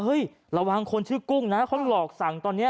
ระวังคนชื่อกุ้งนะเขาหลอกสั่งตอนนี้